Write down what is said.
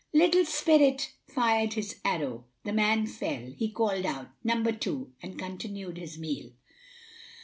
Little spirit fired his arrow the man fell he called out, "Number two," and continued his meal.